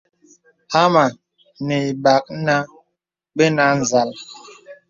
Hāmà nə̀ ibàk nǎ binə̀ á zal.